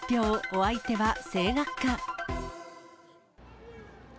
お相手は声楽家。